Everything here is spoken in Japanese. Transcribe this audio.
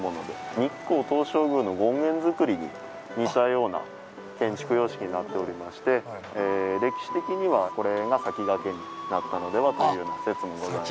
日光東照宮の権現造に似たような建築様式になっておりまして、歴史的には、これが先駆けになったのではというような説もございます。